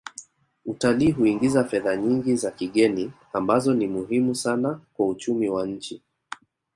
Utalii huingiza fedha nyingi za kigeni ambazo ni muhimu sana kwa uchumi wa nchi